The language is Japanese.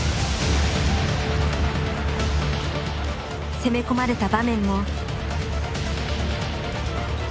攻め込まれた場面も。